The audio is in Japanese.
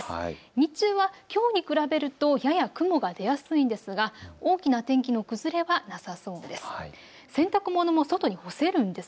日中は、きょうに比べるとやや雲が出やすいですが大きな天気の崩れはなさそうです。